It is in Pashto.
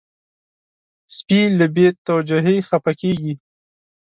سپي له بې توجهۍ خپه کېږي.